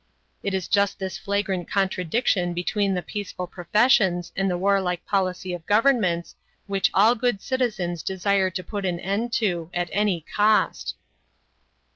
"It is just this flagrant contradiction between the peaceful professions and the warlike policy of governments which all good citizens desire to put an end to, at any cost."